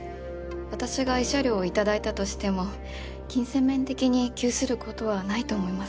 私が慰謝料をいただいたとしても金銭面的に窮することはないと思います。